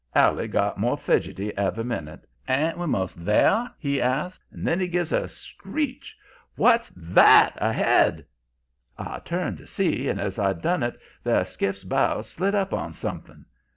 "Allie got more fidgety every minute. 'Ain't we 'most there?' he asks. And then he gives a screech. 'What's that ahead?' "I turned to see, and as I done it the skiff's bow slid up on something.